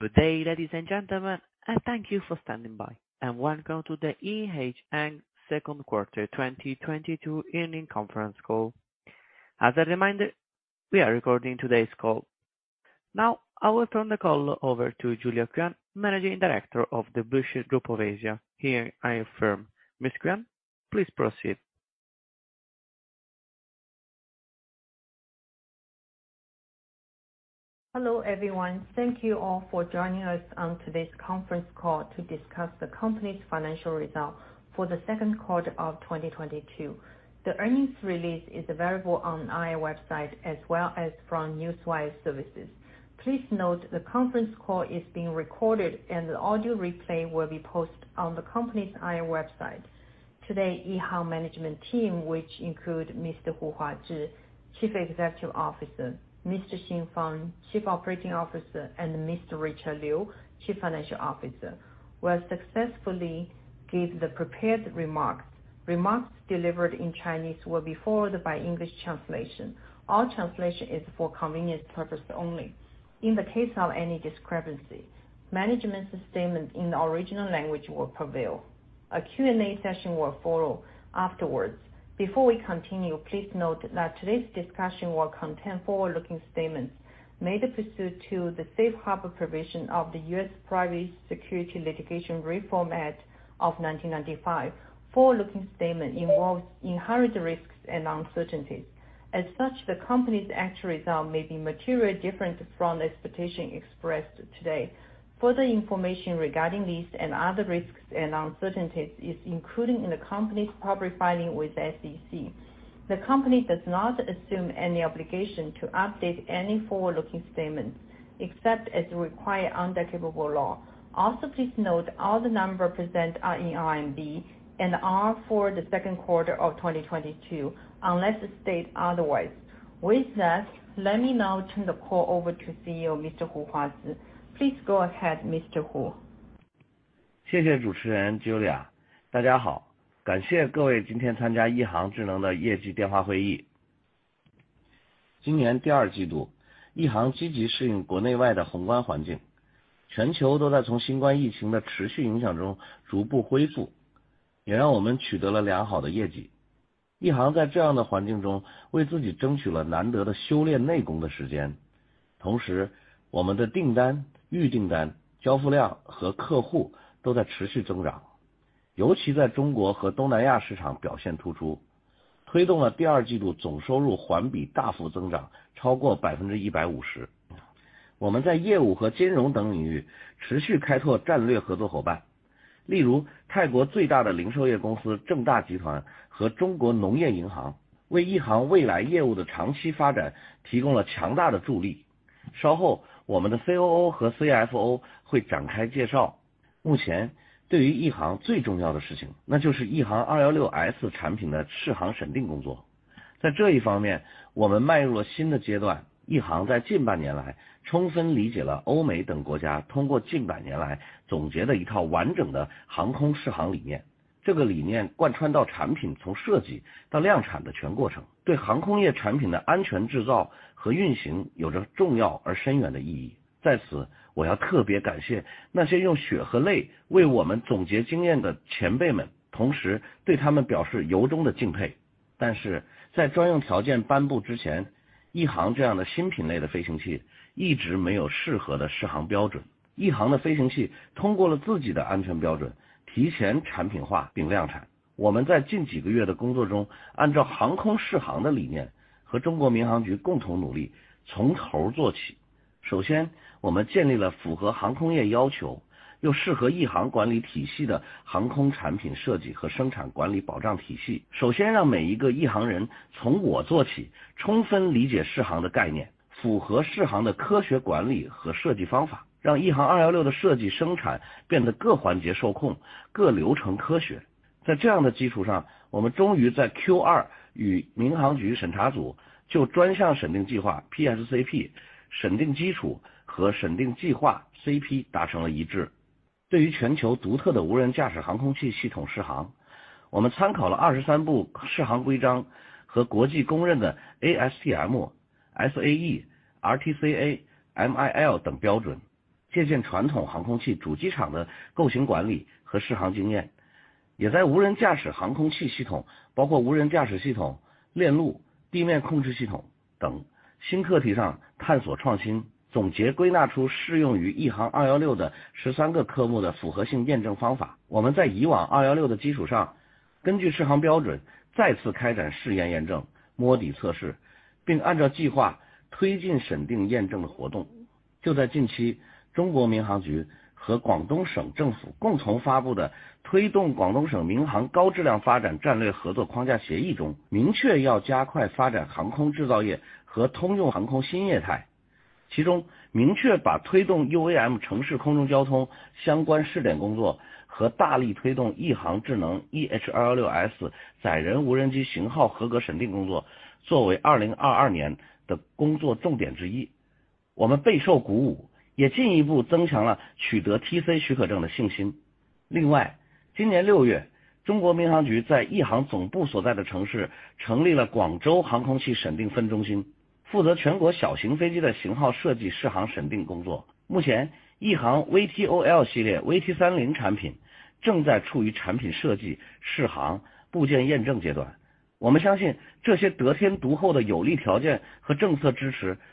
Good day, ladies and gentlemen, and thank you for standing by, and welcome to the EHang Second Quarter 2022 Earnings Conference Call. As a reminder, we are recording today's call. Now I will turn the call over to Julia Qian, Managing Director of The Blueshirt Group Asia. Ms. Qian, please proceed. Hello, everyone. Thank you all for joining us on today's conference call to discuss the company's financial results for the second quarter of 2022. The earnings release is available on our IR website as well as from Newswire services. Please note the conference call is being recorded, and the audio replay will be posted on the company's IR website. Today, EHang's management team, which includes Mr. Huazhi Hu, Chief Executive Officer; Mr. Xin Fang, Chief Operating Officer; and Mr. Richard Liu, Chief Financial Officer, will successively give the prepared remarks. Remarks delivered in Chinese will be followed by an English translation. All translation is for convenience purposes only. In the case of any discrepancy, management's statement in the original language will prevail. A Q&A session will follow afterward. Before we continue, please note that today's discussion will contain forward-looking statements made pursuant to the Safe Harbor provision of the U.S. Private Securities Litigation Reform Act of 1995. Forward-looking statements involve inherent risks and uncertainties. As such, the company's actual results may be materially different from the expectations expressed today. Further information regarding these and other risks and uncertainties is included in the company's public filings with the SEC. The company does not assume any obligation to update any forward-looking statements except as required under applicable law. Also, please note all the numbers presented are in RMB and are for the second quarter of 2022 unless stated otherwise. With that, let me now turn the call over to CEO, Mr. Huazhi Hu. Please go ahead, Mr. Hu. 谢谢主持人Julia。大家好，感谢各位今天参加亿航智能的业绩电话会议。今年第二季度，亿航积极适应国内外的宏观环境，全球都在从新冠疫情的持续影响中逐步恢复，也让我们取得了良好的业绩。亿航在这样的环境中，为自己争取了难得的修炼内功的时间。同时，我们的订单、预订单、交付量和客户都在持续增长，尤其在中国和东南亚市场表现突出，推动了第二季度总收入环比大幅增长超过150%。我们在业务和金融等领域持续开拓战略合作伙伴，例如泰国最大的零售业公司正大集团和中国农业银行，为亿航未来业务的长期发展提供了强大的助力。稍后我们的COO和CFO会展开介绍。目前对于亿航最重要的事情，那就是亿航216S产品的适航审定工作。在这一方面，我们迈入了新的阶段。亿航在近半年来充分理解了欧美等国家通过近百年来总结的一套完整的航空适航理念，这个理念贯穿到产品从设计到量产的全过程，对航空业产品的安全制造和运行有着重要而深远的意义。在此，我要特别感谢那些用血和泪为我们总结经验的前辈们，同时对他们表示由衷的敬佩。但是在专用条件颁布之前，亿航这样的新品类的飞行器一直没有适合的适航标准。亿航的飞行器通过了自己的安全标准，提前产品化并量产。我们在近几个月的工作中，按照航空适航的理念和中国民航局共同努力，从头做起。首先，我们建立了符合航空业要求，又适合亿航管理体系的航空产品设计和生产管理保障体系。首先让每一个亿航人从我做起，充分理解适航的概念，符合适航的科学管理和设计方法，让亿航216的设计生产变得各环节受控，各流程科学。在这样的基础上，我们终于在Q2与民航局审查组就专项审定计划PSCP、审定基础和审定计划CP达成了一致。对于全球独特的无人驾驶航空器系统适航，我们参考了二十三部适航规章和国际公认的ASTM、SAE、RTCA、MIL等标准，借鉴传统航空器主机厂的构型管理和适航经验，也在无人驾驶航空器系统，包括无人驾驶系统、链路、地面控制系统等新课题上探索创新，总结归纳出适用于亿航216的十三个科目的符合性验证方法。我们在以往216的基础上，根据适航标准再次开展试验验证、摸底测试，并按照计划推进审定验证的活动。就在近期，中国民航局和广东省政府共同发布的《关于推进广东民航高质量发展战略合作框架协议》中，明确要加快发展航空制造业和通用航空新业态，其中明确把推动UAM城市空中交通相关试点工作和大力推动亿航智能EH216-S载人无人机型号合格审定工作作为2022年的工作重点之一。我们备受鼓舞，也进一步增强了取得TC许可证的信心。另外，今年六月，中国民航局在EHang总部所在的城市成立了广州航空器审定分中心，负责全国小型飞机的型号设计适航审定工作。目前，EHang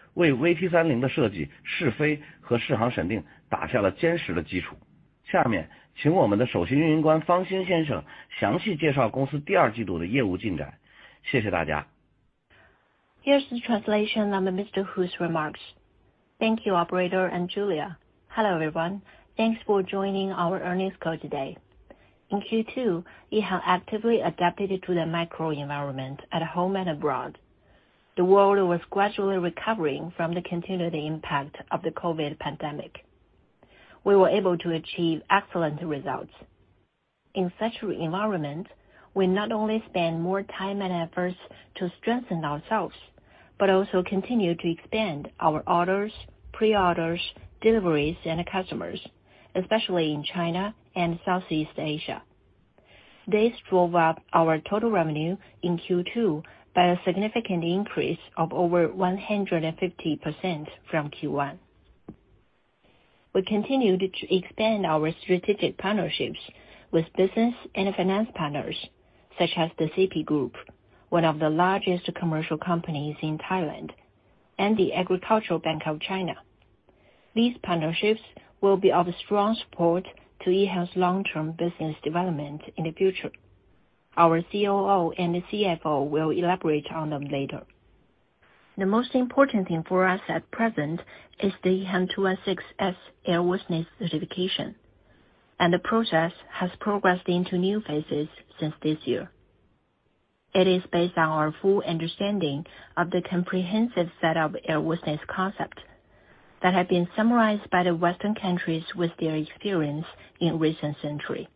VTOL系列VT-30产品正处于产品设计、适航、部件验证阶段。我们相信，这些得天独厚的有利条件和政策支持，为VT-30的设计、试飞和适航审定打下了坚实的基础。下面请我们的首席运营官方鑫先生详细介绍公司第二季度的业务进展。谢谢大家。Here's the translation of Mr. Hu's remarks. Thank you, operator and Julia. Hello, everyone. Thanks for joining our earnings call today. In Q2, EHang actively adapted to the macro environment at home and abroad. The world was gradually recovering from the continued impact of the COVID pandemic. We were able to achieve excellent results. In such an environment, we not only spent more time and effort to strengthen ourselves but also continued to expand our orders, pre-orders, deliveries, and customers, especially in China and Southeast Asia. This drove up our total revenue in Q2 by a significant increase of over 150% from Q1. We continued to expand our strategic partnerships with business and finance partners such as the CP Group, one of the largest commercial companies in Thailand, and the Agricultural Bank of China. These partnerships will strongly support EHang's long-term business development in the future. Our COO and CFO will elaborate on them later. The most important thing for us at present is the EH216-S airworthiness certification, and the process has progressed into new phases this year. It is based on our full understanding of the comprehensive set of airworthiness concepts that have been summarized by Western countries with their experience in the last century.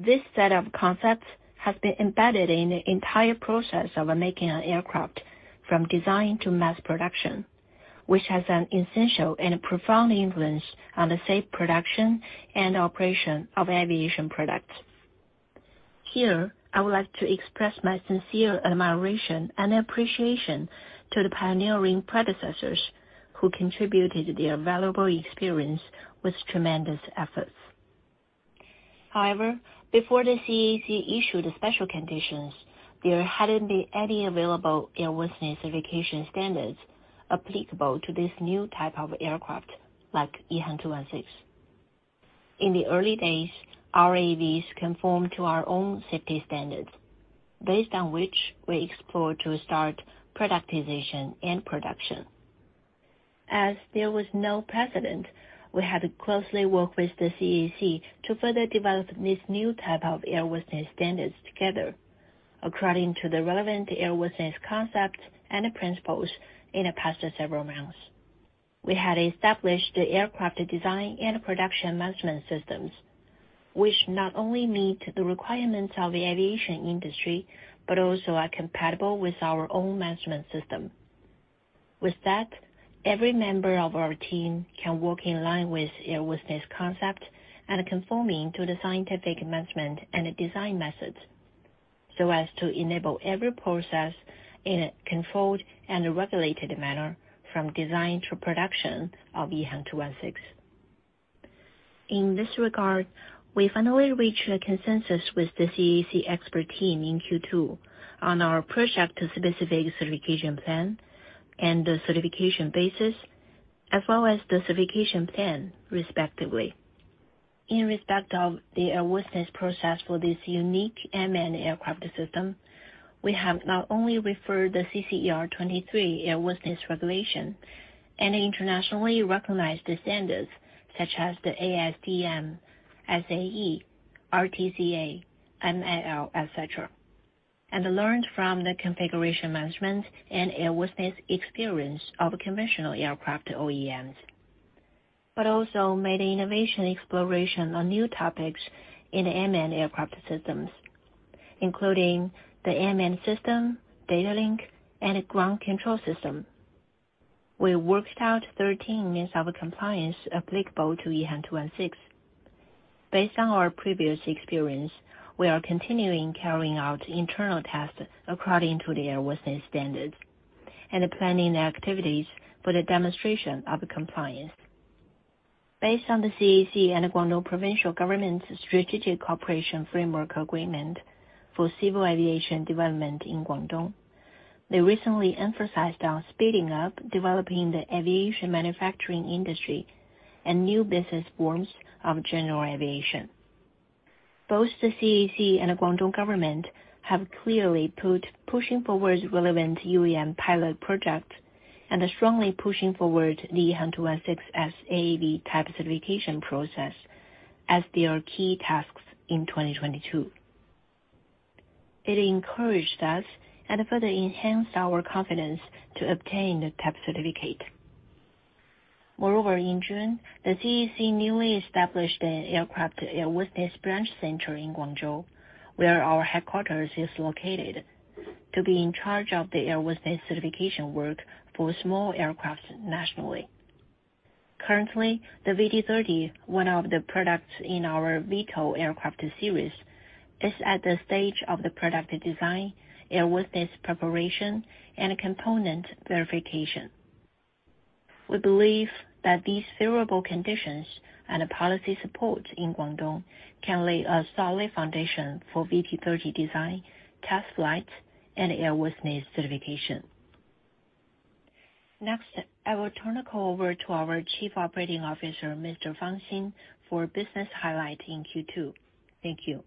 This set of concepts has been embedded in the entire process of making an aircraft, from design to mass production, which has an essential and profound influence on the safe production and operation of aviation products. Here, I would like to express my sincere admiration and appreciation to the pioneering predecessors who contributed their valuable experience with tremendous effort. However, before the CAAC issued the special conditions, there hadn't been any available airworthiness certification standards applicable to this new type of aircraft, like the EHang 216. In the early days, our AAVs conformed to our own safety standards, based on which we explored productization and production. As there was no precedent, we had to work closely with the CAAC to further develop these new airworthiness standards together. According to the relevant airworthiness concepts and principles from the past several months, we have established aircraft design and production management systems, which not only meet the requirements of the aviation industry but are also compatible with our own management system. With that, every member of our team can work in line with the airworthiness concept and conforming to scientific management and design methods, so as to enable every process to be controlled and regulated from design to production of the EHang 216. In this regard, we finally reached a consensus with the CAAC expert team in Q2 on our project-specific certification plan and the certification basis, as well as the certification plan, respectively. In respect of the airworthiness process for this unique Unmanned Aircraft System, we have not only referred to the CCAR-23 airworthiness regulation and internationally recognized standards such as ASTM, SAE, RTCA, MIL, et cetera, and learned from the configuration management and airworthiness experience of conventional aircraft OEMs. We also made innovative explorations on new topics in Unmanned Aircraft Systems, including the Unmanned System, Datalink, and Ground Control System. We worked out 13 means of compliance applicable to EHang 216. Based on our previous experience, we are continuing to carry out internal tests according to the airworthiness standards and planning activities for the demonstration of compliance. Based on the CAAC and Guangdong Provincial Government's strategic cooperation framework agreement for civil aviation development in Guangdong, they recently emphasized speeding up the development of the aviation manufacturing industry and new business forms of general aviation. Both the CAAC and the Guangdong government have clearly put pushing forward relevant UAM pilot projects and are strongly pushing forward the EHang 216 S AAV type certification process as their key tasks in 2022. It encouraged us and further enhanced our confidence to obtain the type certificate. Moreover, in June, the CAAC newly established an aircraft airworthiness branch center in Guangzhou, where our headquarters is located, to be in charge of the airworthiness certification work for small aircraft nationally. Currently, the VT30, one of the products in our VTOL aircraft series, is at the stage of product design, airworthiness preparation, and component verification. We believe that these favorable conditions and the policy support in Guangdong can lay a solid foundation for VT30 design, test flight, and airworthiness certification. Next, I will turn the call over to our Chief Operating Officer, Mr. Xin Fang, for business highlights in Q2. Thank you.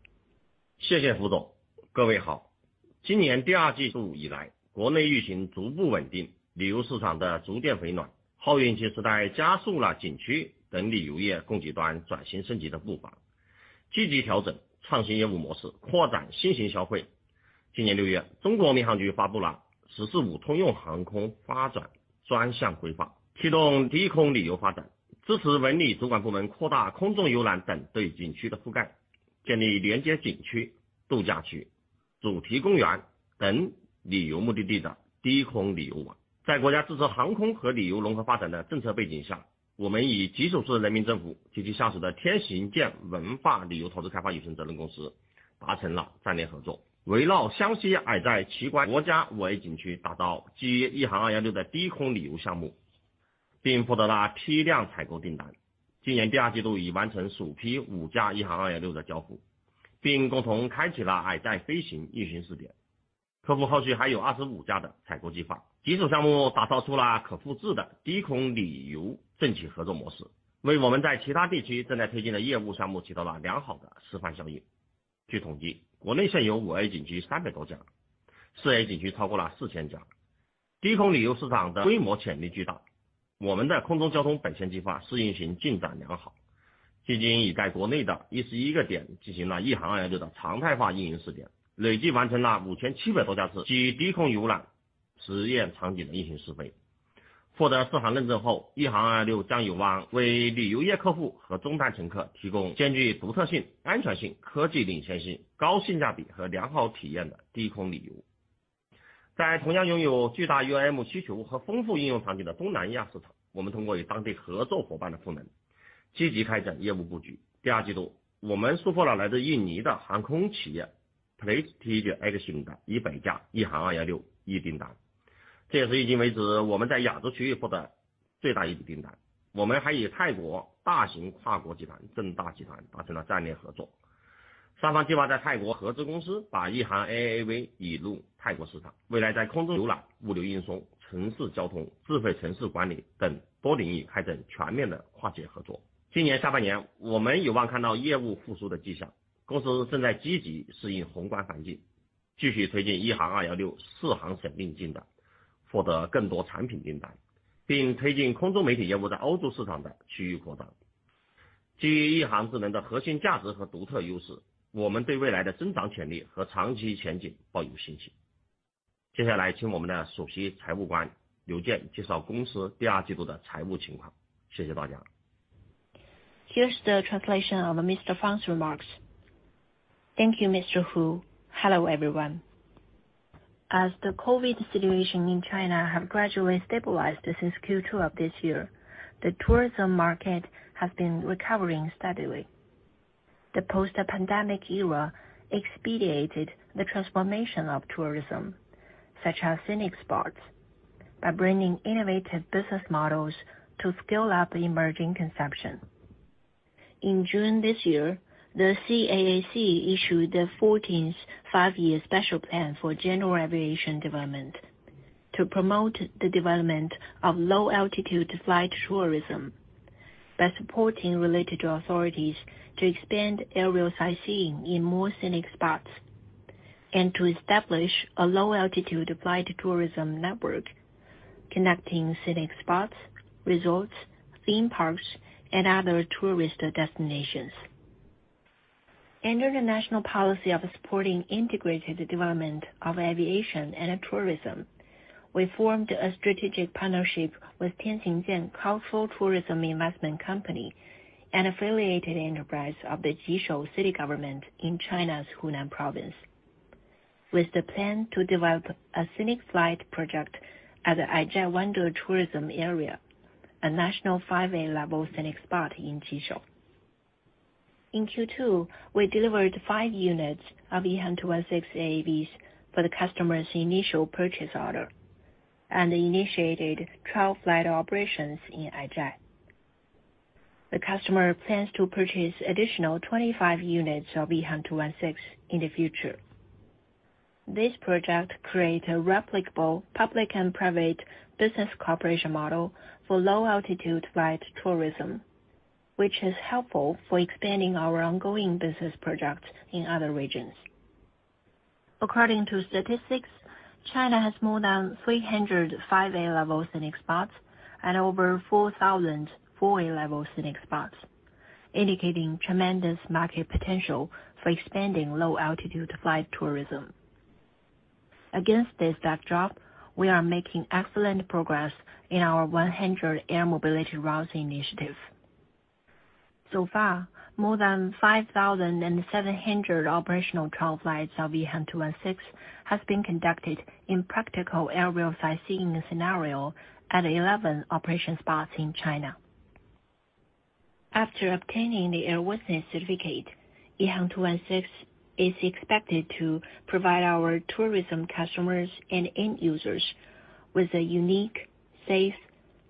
Here is the translation of Mr. Fang's remarks. Thank you, Mr. Hu. Hello, everyone. As the COVID situation in China has gradually stabilized since Q2 of this year, the tourism market has been recovering steadily. The post-pandemic era expedited the transformation of tourism, such as scenic spots, by bringing innovative business models to scale up emerging consumption. in June this year, the CAAC issued the 14th Five-Year Plan for General Aviation Development to promote the development of low-altitude flight tourism by supporting related authorities to expand aerial sightseeing in more scenic spots and to establish a low-altitude flight tourism network connecting scenic spots, resorts, theme parks, and other tourist destinations. Under the national policy of supporting integrated development of aviation and tourism, we formed a strategic partnership with Tianxingjian Cultural Tourism Investment and Development LLC, an affiliated enterprise of the Jishou City Government in China's Hunan Province, with the plan to develop a scenic flight project at the Aizhai Wonder Tourism Area, a national five-A level scenic spot in Jishou. In Q2, we delivered 5 units of EHang 216 AAVs for the customer's initial purchase order and initiated trial flight operations in Aizhai. The customer plans to purchase an additional 25 units of EHang 216 in the future. This project creates a replicable public and private business cooperation model for low-altitude flight tourism, which is helpful for expanding our ongoing business projects in other regions. According to statistics, China has more than 300 five-A level scenic spots and over 4,000 four-A level scenic spots, indicating tremendous market potential for expanding low-altitude flight tourism. Against this backdrop, we are making excellent progress in our 100 Air Mobility Routes Initiative. So far, more than 5,700 operational trial flights of EHang 216 have been conducted in a practical aerial sightseeing scenario at 11 operation spots in China. After obtaining the airworthiness certificate, EHang 216 is expected to provide our tourism customers and end users with a unique, safe,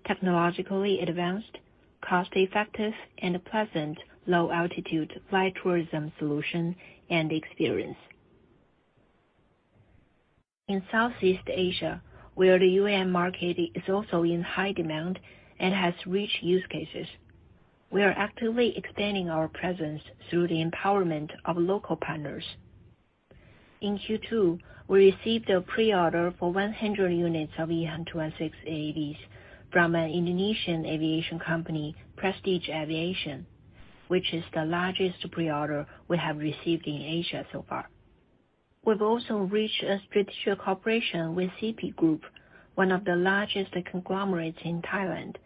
technologically advanced, cost-effective, and pleasant low-altitude flight tourism solution and experience. In Southeast Asia, where the UAM market is also in high demand and has rich use cases, we are actively expanding our presence through the empowerment of local partners. In Q2, we received a pre-order for 100 units of EHang 216 AAVs from an Indonesian aviation company, Prestige Aviation, which is the largest pre-order we have received in Asia so far. We've also reached a strategic cooperation with CP Group, one of the largest conglomerates in Thailand,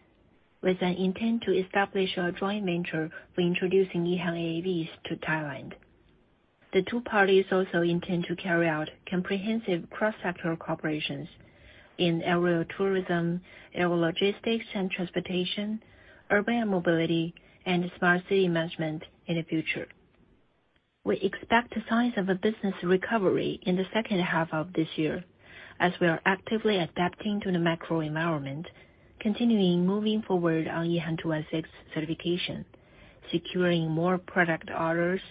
with an intent to establish a joint venture for introducing EHang AAVs to Thailand. The two parties also intend to carry out comprehensive cross-sector cooperation in aerial tourism, aero logistics and transportation, urban mobility, and smart city management in the future. We expect signs of a business recovery in the second half of this year as we are actively adapting to the macro environment, continuing to move forward on EHang 216 certification, securing more product orders,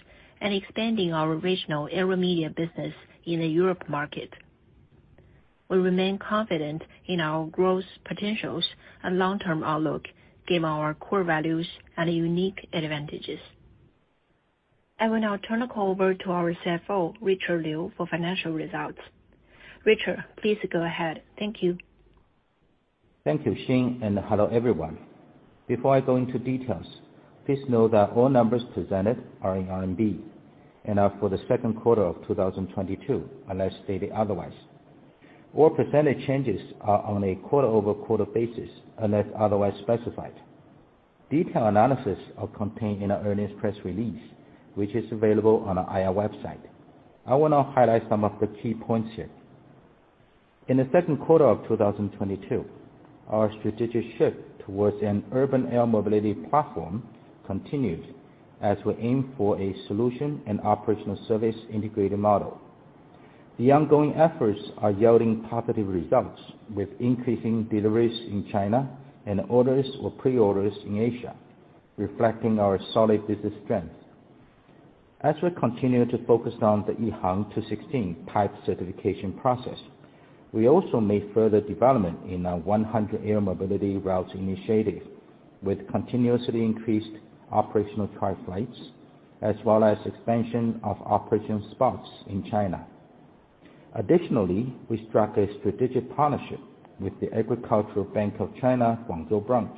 and expanding our original aero media business in the European market. We remain confident in our growth potential and long-term outlook, given our core values and unique advantages. I will now turn the call over to our CFO, Richard Liu, for financial results. Richard, please go ahead. Thank you. Thank you, Xin Fang, and hello, everyone. Before I go into details, please know that all numbers presented are in RMB and are for the second quarter of 2022, unless stated otherwise. All percentage changes are on a quarter-over-quarter basis, unless otherwise specified. Detailed analyses are contained in our earnings press release, which is available on our IR website. I will now highlight some of the key points here. In the second quarter of 2022, our strategic shift toward an urban air mobility platform continued as we aimed for a solution and operational service integrated model. The ongoing efforts are yielding positive results with increasing deliveries in China and orders or pre-orders in Asia, reflecting our solid business strength. As we continue to focus on the EHang 216 type certification process, we also made further developments in our 100 Air Mobility Routes Initiative with continuously increased operational trial flights as well as an expansion of operation spots in China. Additionally, we struck a strategic partnership with the Agricultural Bank of China Guangzhou Branch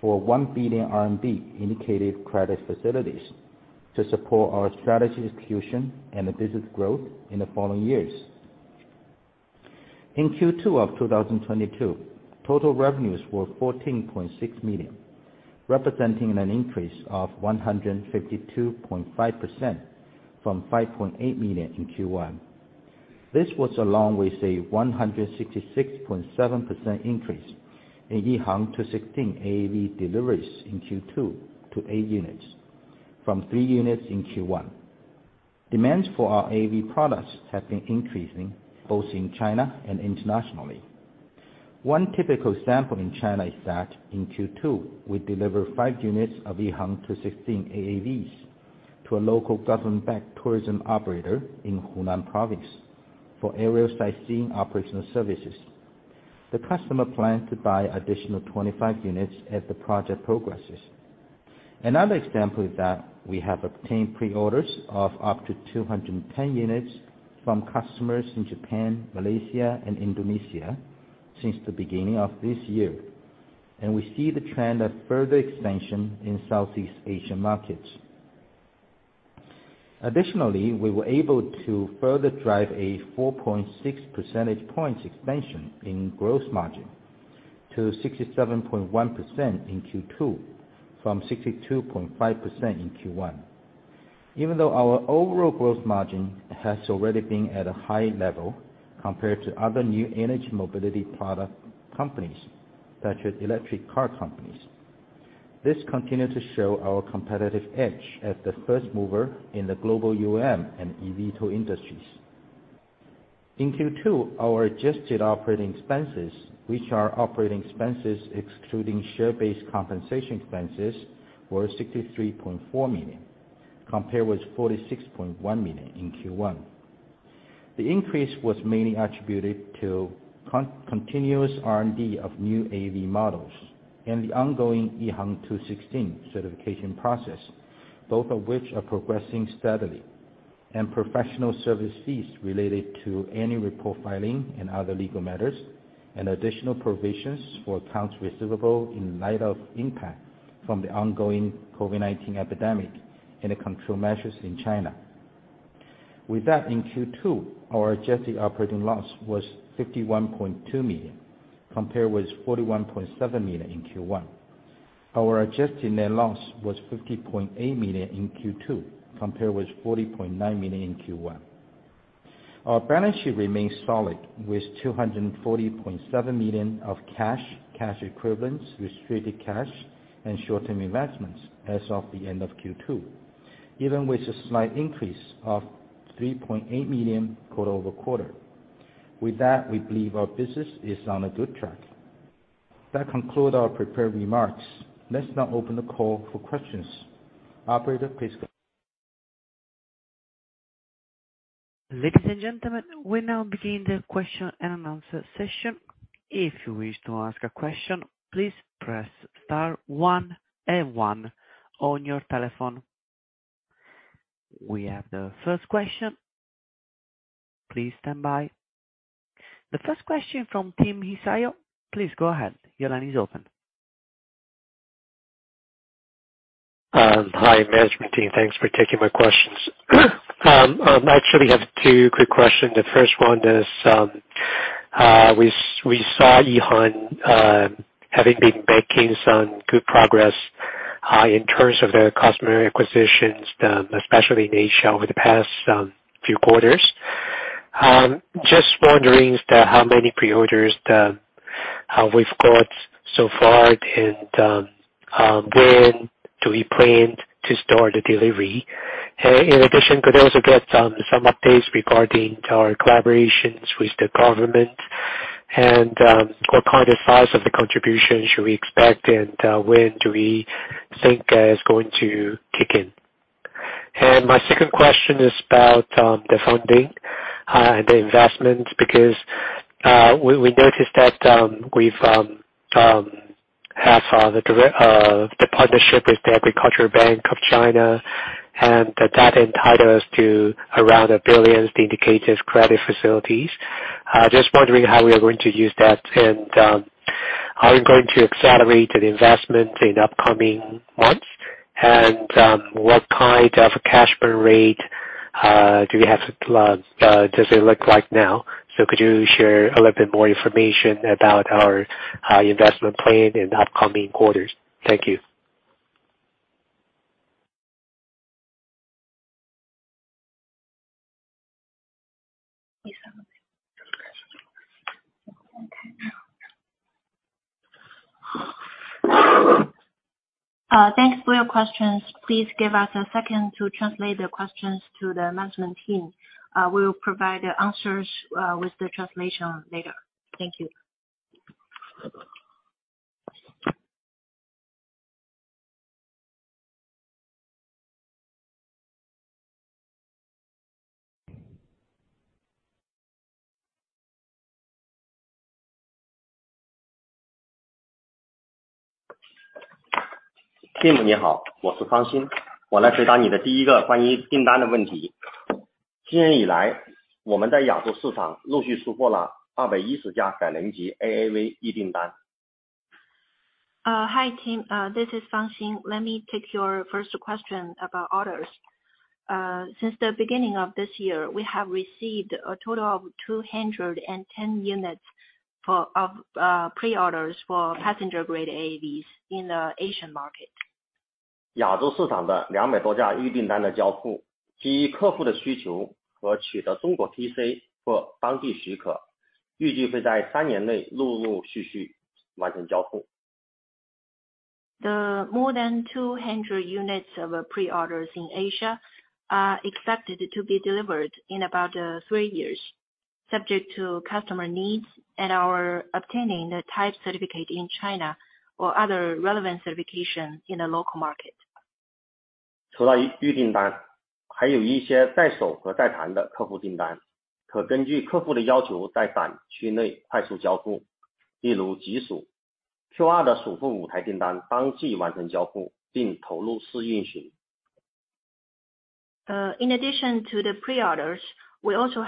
for 1 billion RMB in indicated credit facilities to support our strategy execution and business growth in the following years. In Q2 of 2022, total revenues were 14.6 million, representing an increase of 152.5% from 5.8 million in Q1. This was along with a 166.7% increase in EHang 216 AAV deliveries in Q2 to 8 units from 3 units in Q1. Demand for our AAV products has been increasing both in China and internationally. One typical example in China is that in Q2, we delivered 5 units of EHang 216 AAVs to a local government-backed tourism operator in Hunan Province for aerial sightseeing operational services. The customer planned to buy an additional 25 units as the project progresses. Another example is that we have obtained pre-orders of up to 210 units from customers in Japan, Malaysia, and Indonesia since the beginning of this year, and we see the trend of further expansion in Southeast Asian markets. Additionally, we were able to further drive a 4.6 percentage point expansion in gross margin to 67.1% in Q2 from 62.5% in Q1. Even though our overall gross margin has already been at a high level compared to other new energy mobility product companies, such as electric car companies, this continued to show our competitive edge as the first mover in the global UAM and eVTOL industries. In Q2, our adjusted operating expenses, which are operating expenses excluding share-based compensation expenses, were 63.4 million, compared with 46.1 million in Q1. The increase was mainly attributed to continuous R&D of new AAV models and the ongoing EHang 216 certification process, both of which are progressing steadily, and professional service fees related to annual filing and other legal matters, and additional provisions for accounts receivable in light of the impact from the ongoing COVID-19 epidemic and the control measures in China. With that, in Q2, our adjusted operating loss was 51.2 million, compared with 41.7 million in Q1. Our adjusted net loss was 50.8 million in Q2, compared with 40.9 million in Q1. Our balance sheet remains solid with 240.7 million of cash equivalents, restricted cash, and short-term investments as of the end of Q2, even with a slight increase of 3.8 million quarter-over-quarter. With that, we believe our business is on a good track. That concludes our prepared remarks. Let's now open the call for questions. Operator, please go ahead. Ladies and gentlemen, we will now begin the question and answer session. If you wish to ask a question, please press star one and one on your telephone. We have the first question. Please stand by. The first question is from Tim Hsiao. Please go ahead. Your line is open. Hi, management team. Thanks for taking my questions. I actually have two quick questions. The first one is, we've seen EHang making some good progress in terms of their customer acquisitions, especially in Asia over the past few quarters. I'm just wondering how many pre-orders we've received so far, and when do we plan to start deliveries? In addition, could I also get some updates regarding our collaborations with the government, what kind of contribution we should expect, and when do we think it's going to kick in? My second question is about the funding and investment. We noticed that we have a partnership with the Agricultural Bank of China, which entitles us to around 1 billion in syndicated credit facilities. I'm just wondering how we are going to use that, and if we are going to accelerate investment in the upcoming months. What kind of cash burn rate do you have? What does it look like now? Could you share a little more information about our investment plan in the upcoming quarters? Thank you. Thanks for your questions. Please give us a second to relay them to the management team. We'll provide the answers along with the translation later. Thank you. Hi, Tim. This is Xin Fang. Let me take your first question about orders. Since the beginning of this year, we have received a total of 210 pre-orders for passenger-grade AAVs in the Asian market. The more than 200 pre-orders in Asia are expected to be delivered in about three years, subject to customer needs and our obtaining the type certificate in China or other relevant certification in the local market. In addition to the pre-orders, we have also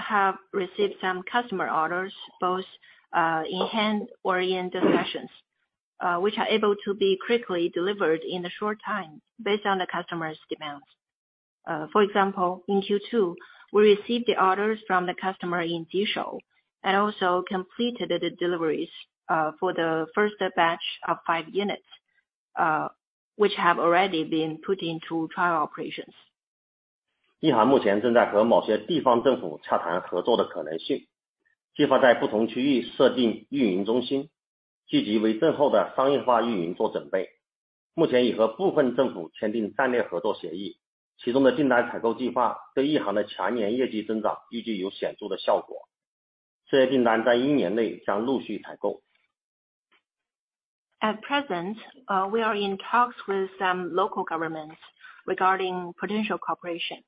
received some customer orders, both in hand and in discussions, which can be quickly delivered in a short time based on the customer's demands. For example, in Q2, we received orders from the customer in Jishou and also completed deliveries for the first batch of five units, which have already been put into trial operations. At present, we are in talks with some local governments regarding potential cooperation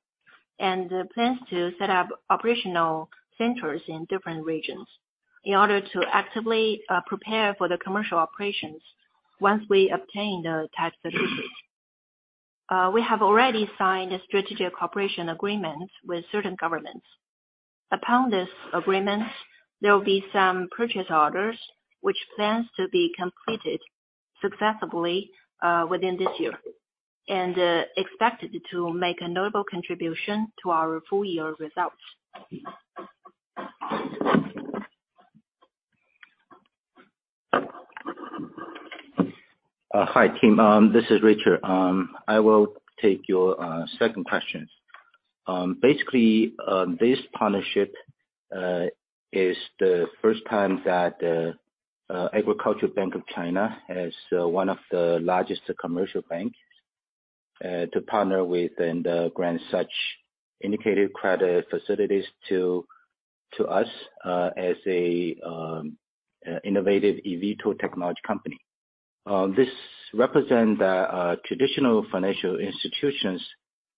and plans to set up operational centers in different regions in order to actively prepare for commercial operations once we obtain the type certificates. We have already signed a strategic cooperation agreement with certain governments. Under this agreement, there will be some purchase orders that are planned to be completed successfully this year and are expected to make a notable contribution to our full-year results. Hi, team. This is Richard. I will take your second question. Basically, this partnership is the first time that Agricultural Bank of China, one of the largest commercial banks, has partnered with and granted such syndicated credit facilities to us as an innovative eVTOL technology company. This represents that traditional financial institutions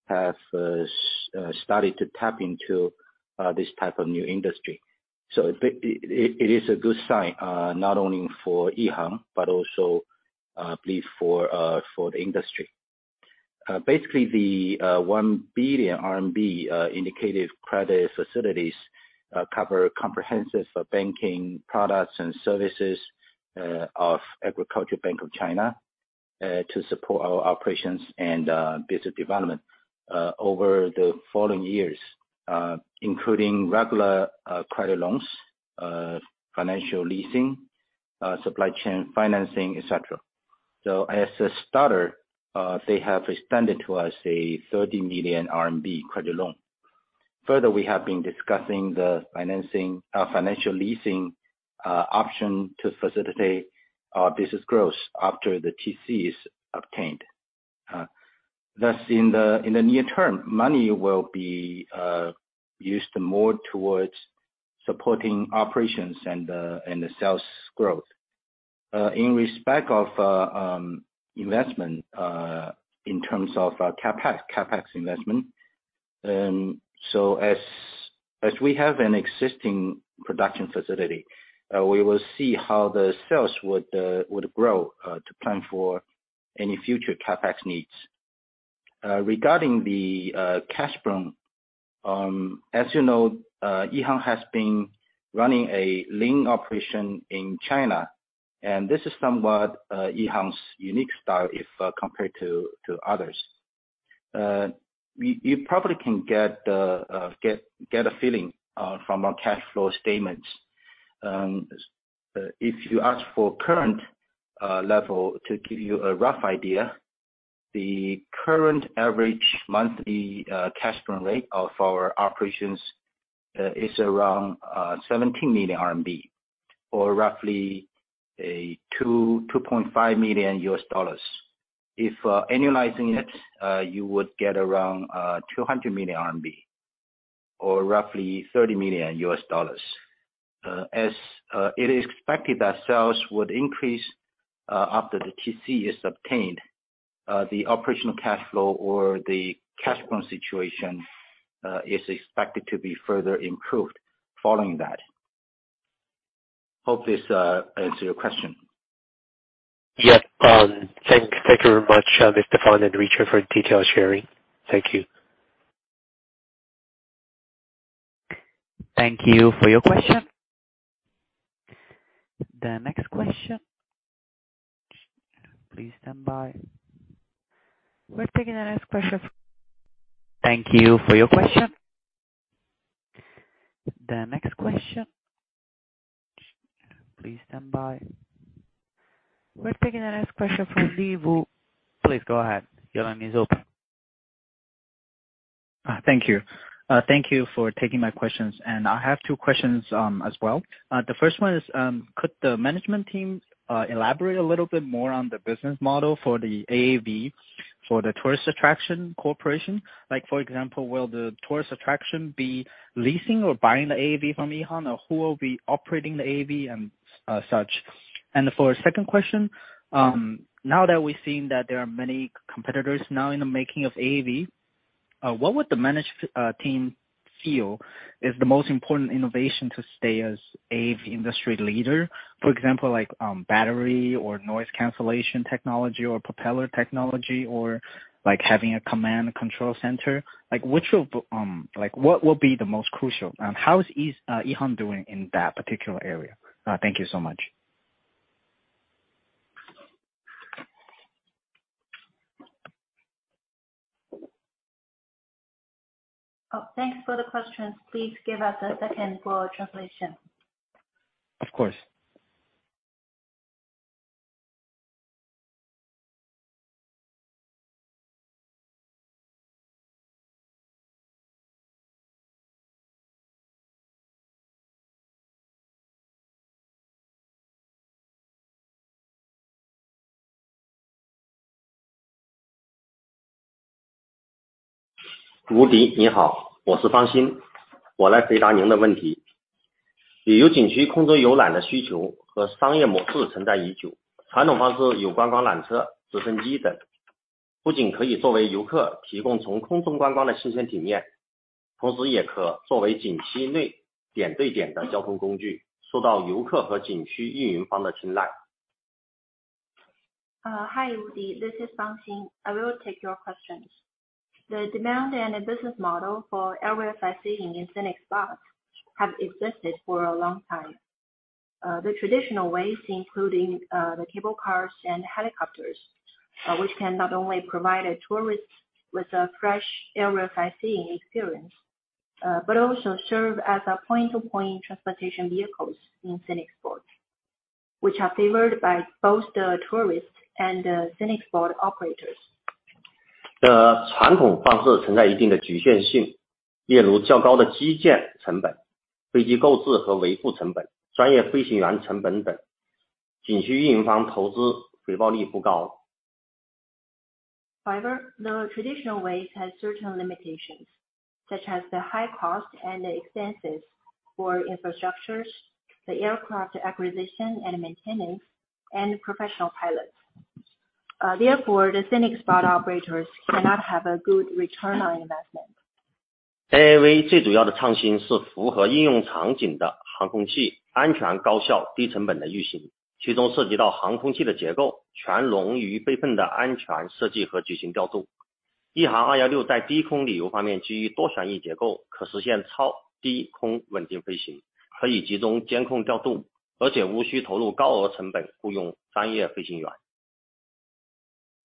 have started to tap into this type of new industry. It is a good sign not only for EHang but also, I believe, for the industry. Basically, the 1 billion RMB indicated credit facilities cover comprehensive banking products and services of Agricultural Bank of China to support our operations and business development over the following years, including regular credit loans, financial leasing, supply chain financing, et cetera. As a starter, they have extended to us a 30 million RMB credit loan. Further, we have been discussing the financing and financial leasing options to facilitate our business growth after the TC is obtained. Thus, in the near term, money will be used more towards supporting operations and sales growth, particularly regarding CapEx investment. We have an existing production facility. We will see how sales grow to plan for any future CapEx needs. Regarding cash burn, as you know, EHang has been running a lean operation in China, and this is somewhat EHang's unique style compared to others. You probably can get a feeling from our cash flow statements. If you'd like a rough idea of the current level, the average monthly cash burn rate of our operations is around 17 million RMB or roughly $2.5 million. Annualized, that would be around 200 million RMB or roughly $30 million. As it is expected that sales would increase after the TC is obtained, the operational cash flow or the cash burn situation is expected to be further improved following that. Hope this answers your question. Yep. Thank you very much, Mr. Fang and Richard, for detailed sharing. Thank you. Thank you for your question. The next question. Please stand by. We're taking the next question. Thank you for your question. The next question. Please stand by. We're taking the next question from Ling Lu. Please go ahead. Your line is open. Thank you for taking my questions. I have two questions as well. The first one is, could the management team elaborate a little bit more on the business model for the AAV for the tourist attraction corporation? For example, will the tourist attraction be leasing or buying the AAV from EHang, or who will be operating the AAV and such? For my second question, now that we've seen that there are many competitors in the making of AAVs, what does the management team feel is the most important innovation to stay as the AAV industry leader? For example, is it battery or noise cancellation technology, or propeller technology, or having a command control center? Like, what will be most crucial, and how is EHang doing in that particular area? Thank you so much. Oh, thanks for the questions. Please give us a second for translation. Of course. Hello. I'm Xin Fang. I will answer your question. There has been a long-standing need for scenic spot aerial tourism and a business model. The traditional way is to have tour buses, helicopters, etc. Not only can these provide tourists with a novel experience of aerial sightseeing, but they can also be used as a point-to-point transportation tool within the scenic spot, which is favored by tourists and scenic spot operators. Hi, Woody. This is Xin Fang. I will take your questions. The demand and the business model for aerial sightseeing in scenic spots have existed for a long time. Traditional methods, including cable cars and helicopters, can not only provide tourists with a fresh aerial sightseeing experience but also serve as point-to-point transportation vehicles in scenic spots, which are favored by both tourists and scenic spot operators. These traditional methods have certain limitations, such as the high cost and expenses for infrastructure, aircraft acquisition and maintenance, and professional pilots. Therefore, scenic spot operators cannot achieve a good return on investment.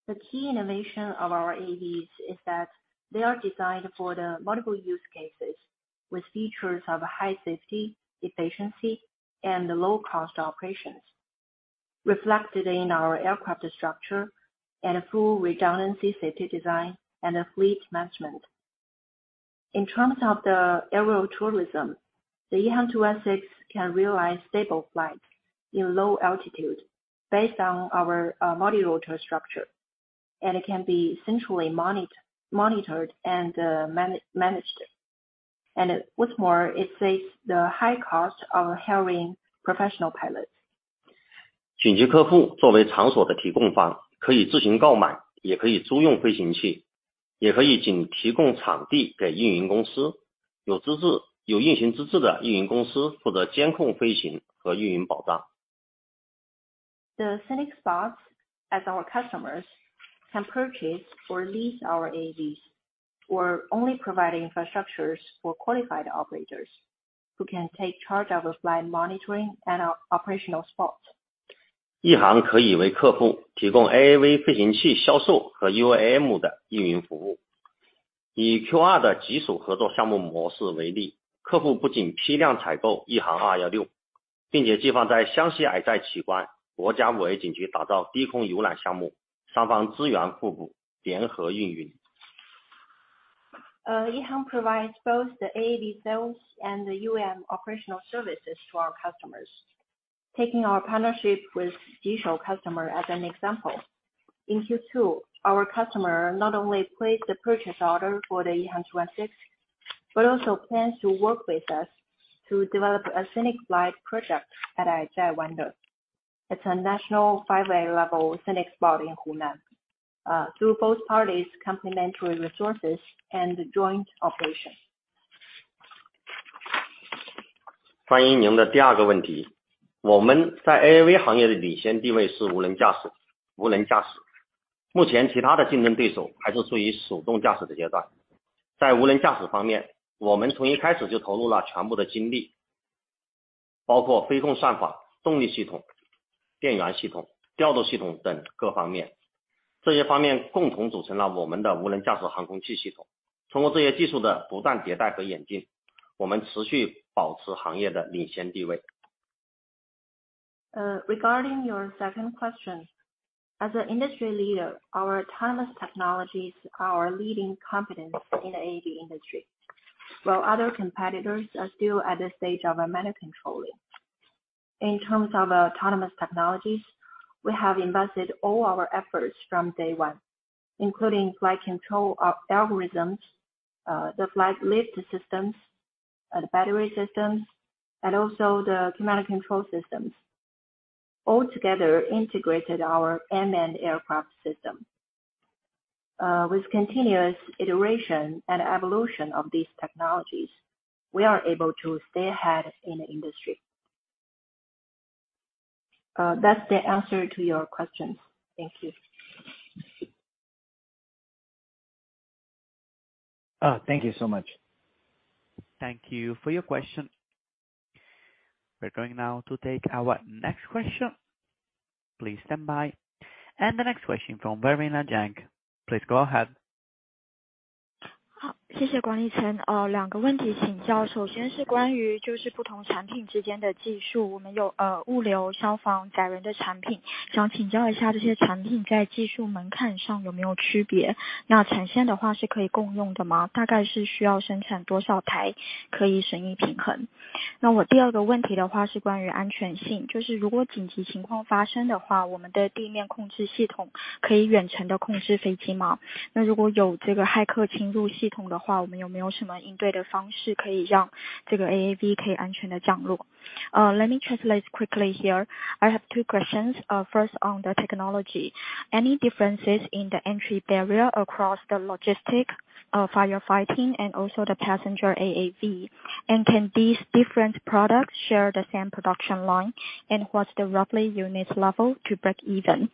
The key innovation of our AAVs is that they are designed for multiple use cases with features of high safety, efficiency, and low-cost operations, reflected in our aircraft structure, full redundancy safety design, and fleet management. In terms of aerial tourism, the EHang 216 can achieve stable flights at low altitudes based on our modular structure, and it can be centrally monitored and managed. What's more, it eliminates the high cost of hiring professional pilots. Scenic spots, as our customers, can purchase or lease our AAVs or simply provide infrastructure for qualified operators who can take charge of flight monitoring and operational aspects. EHang provides both AAV sales and UAM operational services to our customers. Our partnership with the Jishou customer serves as an example. In Q2, our customer not only placed a purchase order for the EHang 216 but also plans to work with us to develop a scenic flight project at Aizhai Wonder. It's a national 5A-level scenic spot in Hunan. This will be achieved through both parties' complementary resources and joint operations. Regarding your second question, as an industry leader, our autonomous technologies are our leading competence in the AAV industry, while other competitors are still at the stage of manual control. In terms of autonomous technologies, we have invested all our efforts from day one, including flight control algorithms, flight lift systems, battery systems, and command and control systems, all integrated into our unmanned aircraft system. With continuous iteration and evolution of these technologies, we are able to stay ahead in the industry. That's the answer to your questions. Thank you. Thank you so much. Thank you for your question. We're now going to take our next question. Please stand by. The next question is from Verena Jeng. Please go ahead. Let me quickly translate here. I have two questions. First, regarding the technology: Are there any differences in the entry barrier across logistics, firefighting, and passenger AAVs? Can these different products share the same production line? And what's the approximate unit level to break even?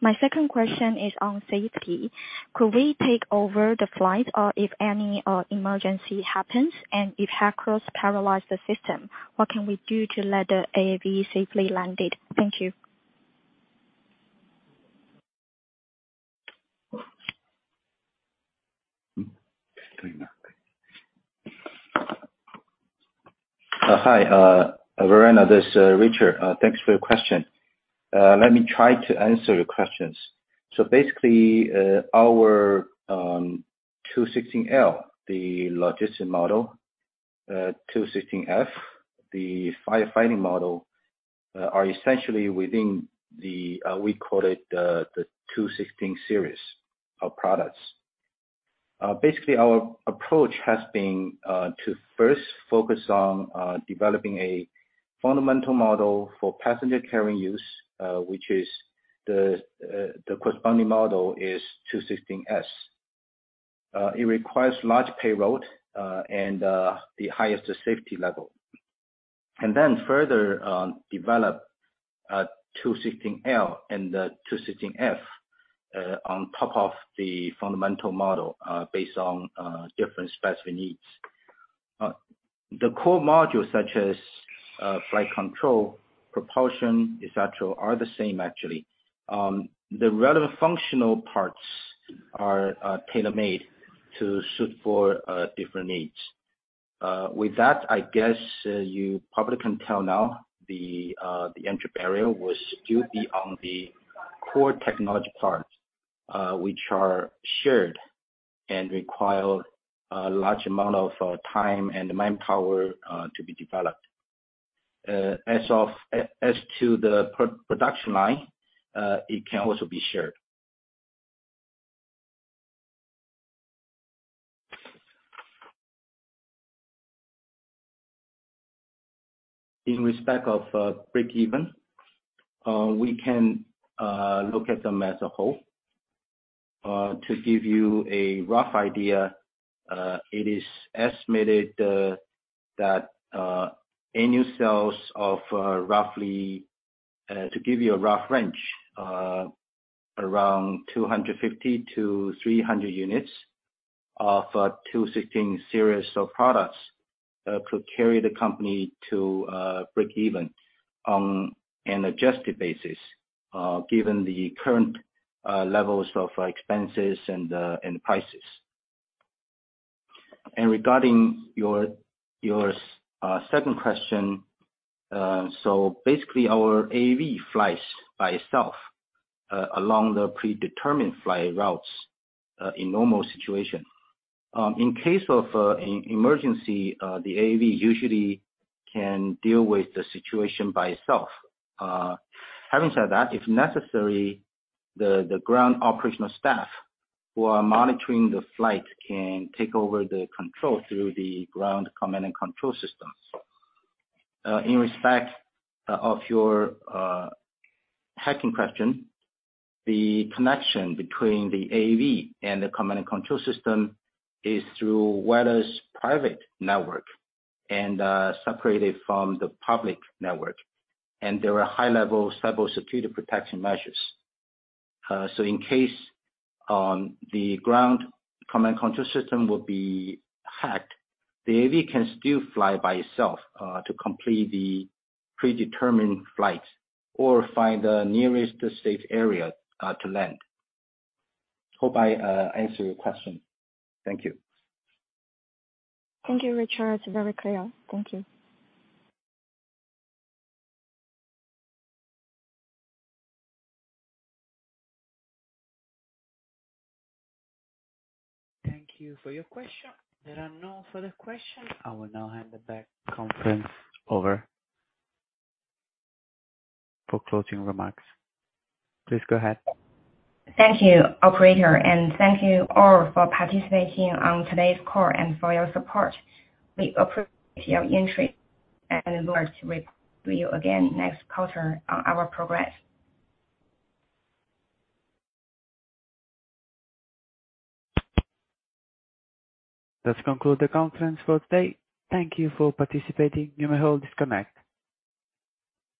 My second question is on safety: Could we take over the flight if an emergency happens, or if hackers paralyze the system, what can we do to let the AAV land safely? Thank you. Hi, Verena, this is Richard. Thanks for your question. Let me try to answer your questions. Basically, our 216L, the logistics model, and 216F, the firefighting model, are essentially within what we call the 216 series of products. Our approach has been to first focus on developing a fundamental model for passenger-carrying use, which is the corresponding model, 216S. It requires a large payload and the highest safety level. We then further developed the 216L and the 216F on top of the fundamental model, based on different specific needs. The core modules such as flight control, propulsion, et cetera, are actually the same. The relevant functional parts are tailor-made to suit different needs. With that, I guess, you probably can tell now the entry barrier was still on the core technology parts, which are shared and require a large amount of time and manpower to be developed. As to the production line, it can also be shared. In respect of breakeven, we can look at them as a whole. To give you a rough idea, it is estimated that annual sales of roughly, to give you a rough range, around 250-300 units of an EH216 series of products could carry the company to breakeven on an adjusted basis, given the current levels of expenses and prices. Regarding your second question. Basically, our AAV flies by itself along predetermined flight routes in normal situations. In case of an emergency, the AAV can usually deal with the situation by itself. Having said that, if necessary, the ground operational staff who are monitoring the flight can take over control through the ground command and control system. In respect of your hacking question, the connection between the AAV and the command and control system is through a wireless private network and is separated from the public network, and there are high-level cybersecurity protection measures. In case the ground command and control system is hacked, the AAV can still fly by itself to complete the predetermined flight or find the nearest safe area to land. I hope I answered your question. Thank you. Thank you, Richard. It's very clear. Thank you. Thank you for your question. There are no further questions. I will now hand the conference back over for closing remarks. Please go ahead. Thank you, operator, and thank you all for participating in today's call and for your support. We appreciate your interest and look forward to reviewing our progress again next quarter. That concludes the conference for today. Thank you for participating. You may all disconnect.